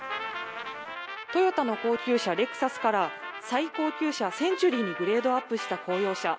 トヨタの高級車レクサスから最高級車センチュリーにグレードアップした公用車。